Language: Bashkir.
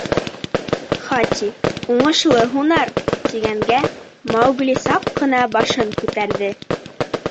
Хати: «Уңышлы һунар», — тигәнгә, Маугли саҡ ҡына башын күтәрҙе.